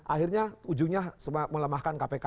akhirnya ujungnya melemahkan kpk